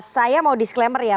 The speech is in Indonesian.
saya mau disclaimer ya